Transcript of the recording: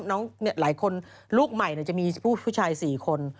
น้องเนี่ยหลายคนลูกใหม่เนี่ยจะมีผู้ชาย๔คน